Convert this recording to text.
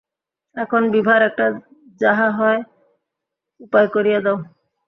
এখন বিভার একটা যাহা হয় উপায় করিয়া দাও!